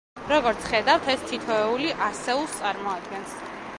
როგორც ხედავთ, ეს თითოეული, ასეულს წარმოადგენს.